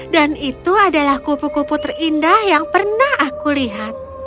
dan itu adalah kupu kupu terindah yang pernah aku lihat